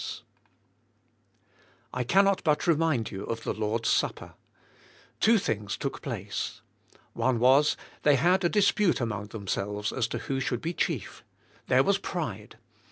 S THE SPIRITUAL LIFE. I cannot but remind you of the Lord's Supper. Two things took place. One was, thev had a dis pute among themselves as to who should be chief; there was pride.